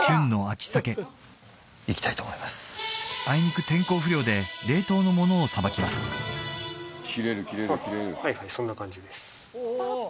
あいにく天候不良で冷凍のものをさばきますあっ